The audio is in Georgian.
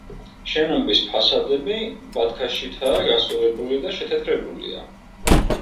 შენობის ფასადები ბათქაშითაა გასწორებული და შეთეთრებულია.